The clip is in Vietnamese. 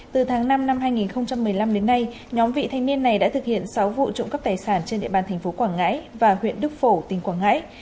từ tháng năm năm hai nghìn một mươi năm đến nay nhóm vị thanh niên này đã thực hiện sáu vụ trộm cắp tài sản trên địa bàn thành phố quảng ngãi và huyện đức phổ tỉnh quảng ngãi